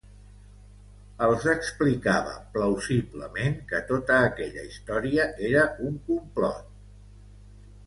Els explicava plausiblement que tota aquella història era un complot